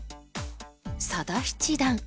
佐田七段